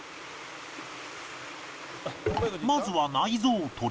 まずは内臓取り